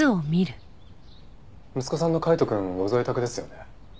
息子さんの海斗くんご在宅ですよね？